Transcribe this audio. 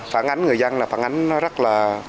phản ánh người dân là phản ánh rất là